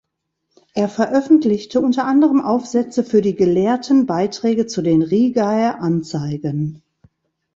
Er veröffentlichte unter anderem Aufsätze für die "Gelehrten Beiträge zu den Rigaer Anzeigen".